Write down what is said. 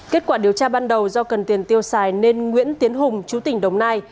kết quả điều tra ban đầu do cần tiền tiêu xài nên nguyễn tiến hùng chú tỉnh đồng nai